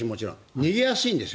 逃げやすいんですよ